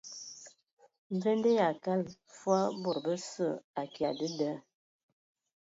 Mvende yʼakala fə bod bəsə akya dəda.